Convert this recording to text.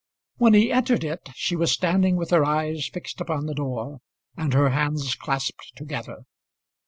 When he entered it she was standing with her eyes fixed upon the door and her hands clasped together.